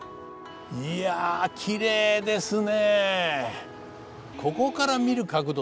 いやきれいですね。